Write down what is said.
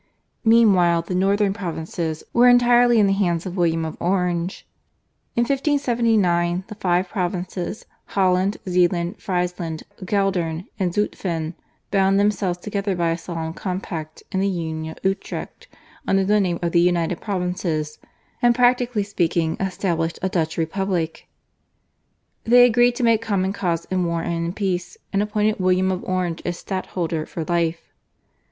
Meanwhile the northern provinces were entirely in the hands of William of Orange. In 1579 the five provinces Holland, Zeeland, Friesland, Geldern, and Zutphen bound themselves together by a solemn compact in the Union of Utrecht under the name of the United Provinces, and practically speaking established a Dutch republic. They agreed to make common cause in war and in peace, and appointed William of Orange as Stadtholder for life.